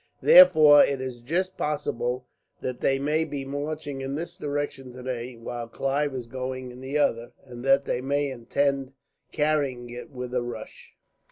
Therefore, it is just possible that they may be marching in this direction today, while Clive is going in the other, and that they may intend carrying it with a rush.